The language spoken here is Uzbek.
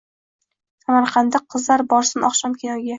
Samarqandda qizlar borsin oqshom kinoga.